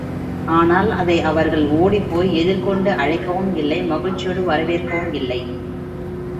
ஆனால், அதை அவர்கள் ஓடிப்போய் எதிர் கொண்டு அழைக்கவும் இல்லை மகிழ்ச்சியோடு வரவேற்கவும் இல்லை!